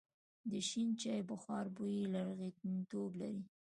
د شین چای بخار بوی لرغونتوب لري.